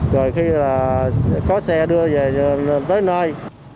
rồi khi có xe đưa về tới nơi